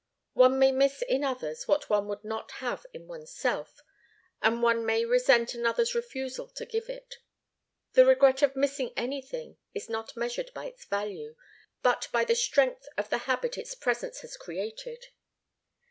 One may miss in others what one would not have in oneself, and one may resent another's refusal to give it. The regret of missing anything is not measured by its value, but by the strength of the habit its presence has created.